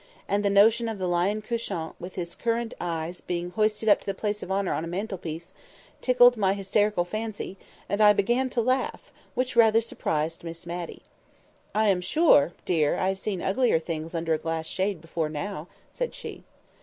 and the notion of the lion couchant, with his currant eyes, being hoisted up to the place of honour on a mantelpiece, tickled my hysterical fancy, and I began to laugh, which rather surprised Miss Matty. "I am sure, dear, I have seen uglier things under a glass shade before now," said she.